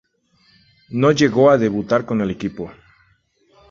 No llegó a debutar con el equipo.